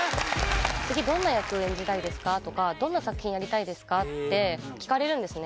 次どんな役演じたいですか？とかどんな作品やりたいですか？って聞かれるんですね